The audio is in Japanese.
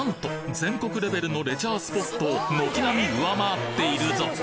全国レベルのレジャースポットを軒並み上回っているぞ！